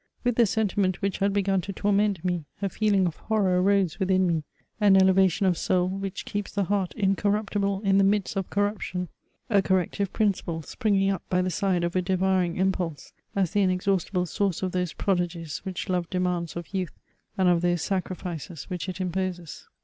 With the sentiment which had begun to torment me, a feeling of horror arose within me — an elevation of soul which keeps the heart incor ruptible in the midst of corruption — a corrective principle, springing up by the side of a devouring impulse, as the inex haustible source of those prodigies which love demands of youth, and of those sacrifices which it imposes.